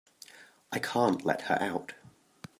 I can't let her out.